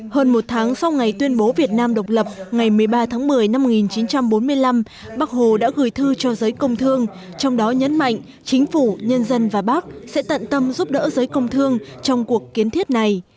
hơn một tháng sau ngày tuyên bố việt nam độc lập ngày một mươi ba tháng một mươi năm một nghìn chín trăm bốn mươi năm bắc hồ đã gửi thư cho giới công thương trong đó nhấn mạnh chính phủ nhân dân và bắc sẽ tận tâm giúp đỡ giới công thương trong cuộc kiến thiết này